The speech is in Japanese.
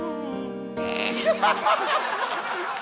アハハハ！